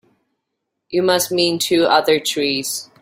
You must mean two other trees.